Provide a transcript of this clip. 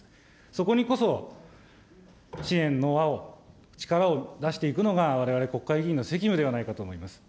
そこにこそ、支援の輪を、力を出していくのがわれわれ国会議員の責務ではないかと思います。